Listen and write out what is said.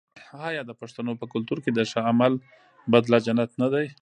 آیا د پښتنو په کلتور کې د ښه عمل بدله جنت نه دی؟